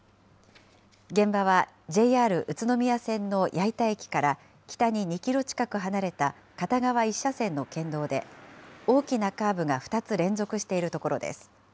現場はＪＲ宇都宮線の矢板駅から北に２キロ近く離れた片側１車線の県道で、大きなカーブが２つ連続しているところです。